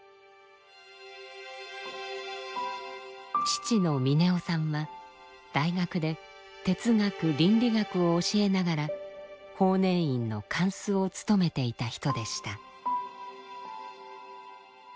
父の峰雄さんは大学で哲学倫理学を教えながら法然院の貫主をつとめていた人でした。